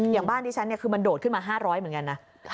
อย่างบ้านที่ฉันคือมันโดดขึ้นมา๕๐๐เหมือนกันนะ